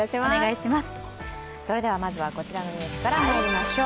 まずはこちらのニュースからまいりましょう。